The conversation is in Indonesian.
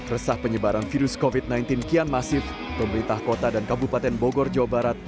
resah penyebaran virus covid sembilan belas kian masif pemerintah kota dan kabupaten bogor jawa barat